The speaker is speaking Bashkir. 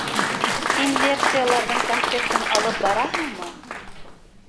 Һин лекцияларҙың конспектын алып бараһыңмы?